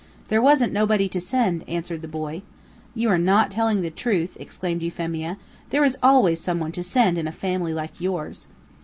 "There wasn't nobody to send," answered the boy. "You are not telling the truth," exclaimed Euphemia; "there is always some one to send, in a family like yours."